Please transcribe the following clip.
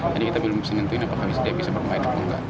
jadi kita belum bisa nentuin apakah dia bisa bermain